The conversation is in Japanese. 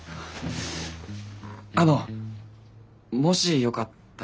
あのもしよかったら。